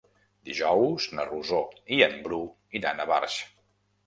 Dijous na Rosó i en Bru iran a Barx.